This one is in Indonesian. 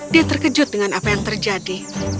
dia terkejut dengan apa yang terjadi